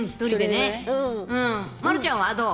丸ちゃんは、どう？